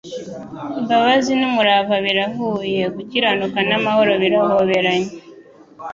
«Imbabazi n'umurava birahuye, gukiranuka n'amahoro birahoberanye.»